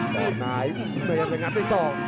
ต่อหน้าอยากจะงัดไปสอง